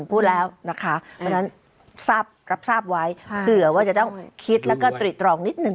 พูดแล้วนะคะเพราะฉะนั้นรับทราบไว้เผื่อว่าจะต้องคิดแล้วก็ตรีตรองนิดนึง